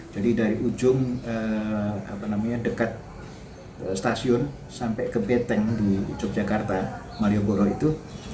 jadi dari ujung apa namanya dekat stasiun sampai ke beteng di yogyakarta malioboro itu